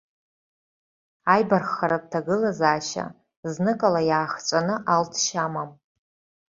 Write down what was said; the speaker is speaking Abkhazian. Аибарххаратә ҭагылазаашьа зныкала иаахҵәаны алҵшьа амам.